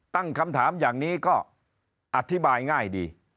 ตั้งคำถามอย่างนี้ก็อธิบายง่ายดี